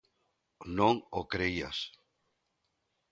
Non o crías?